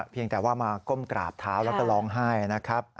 เพียงแต่ว่ามาก้มกราบเท้าแล้วก็ร้องไห้นะครับ